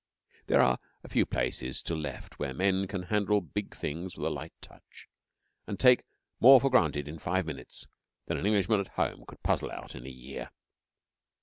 There are a few places still left where men can handle big things with a light touch, and take more for granted in five minutes than an Englishman at home could puzzle out in a year.